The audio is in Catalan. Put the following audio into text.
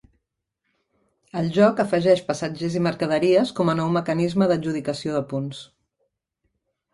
El joc afegeix passatgers i mercaderies com a nou mecanisme d'adjudicació de punts.